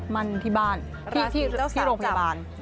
มันที่บ้านที่โรงพยาบาล